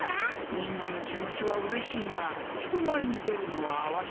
みんなの気持ちはうれしいが人前に出るのはわしには向かん。